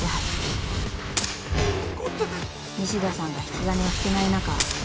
［西田さんが引き金を引けない中］